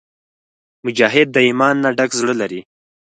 مجاهد د ایمان نه ډک زړه لري.